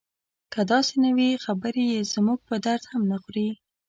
که داسې نه وي خبرې یې زموږ په درد هم نه خوري.